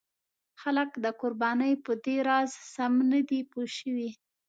خلک د قربانۍ په دې راز سم نه دي پوه شوي.